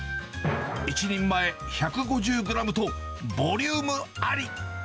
１人前１５０グラムと、ボリュームあり。